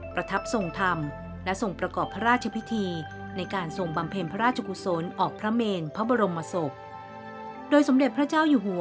ประทับทรงธรรมและทรงประกอบพระราชพิธีในการทรงบำเพ็ญพระราชกุศลออกพระเมนพระบรมศพโดยสมเด็จพระเจ้าอยู่หัว